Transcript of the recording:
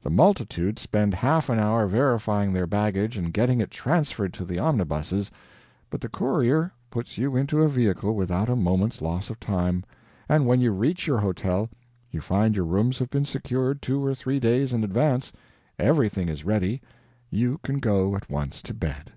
The multitude spend half an hour verifying their baggage and getting it transferred to the omnibuses; but the courier puts you into a vehicle without a moment's loss of time, and when you reach your hotel you find your rooms have been secured two or three days in advance, everything is ready, you can go at once to bed.